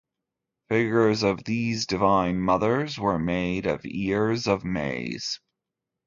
Figures of these divine mothers were made of ears of maize.